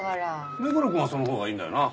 目黒くんはそのほうがいいんだよな？